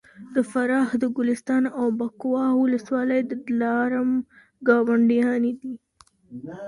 د فراه د ګلستان او بکواه ولسوالۍ د دلارام ګاونډیانې دي